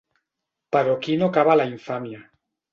Però aquí no acaba la infàmia.